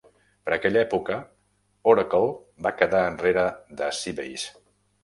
Per aquella època, Oracle va quedar enrere de Sybase.